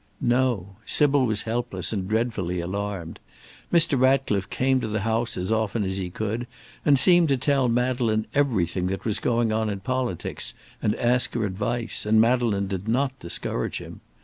No! Sybil was helpless and dreadfully alarmed. Mr. Ratcliffe came to the house as often as he could, and seemed to tell Madeleine everything that was going on in politics, and ask her advice, and Madeleine did not discourage him.